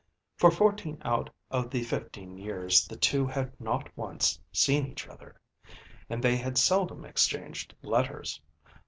For fourteen out of the fifteen years the two had not once seen each other, and they bad seldom exchanged letters.